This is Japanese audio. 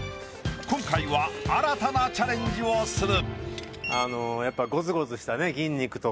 今回は新たなチャレンジをする。